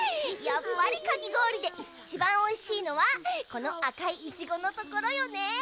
やっぱりかきごおりでいっちばんおいしいのはこのあかいイチゴのところよね。